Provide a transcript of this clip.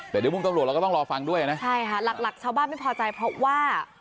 แต่เดี๋ยวมุมตำรวจเราก็ต้องรอฟังด้วยนะใช่ค่ะหลักหลักชาวบ้านไม่พอใจเพราะว่า